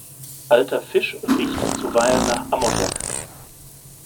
Alter Fisch riecht zuweilen nach Ammoniak.